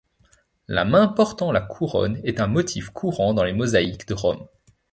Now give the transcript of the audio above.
La main portant la couronne est un motif courant dans les mosaïques de Rome.